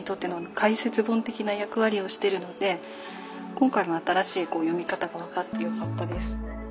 今回も新しい読み方が分かってよかったです。